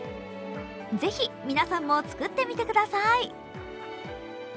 ぜひ皆さんも作ってみてください。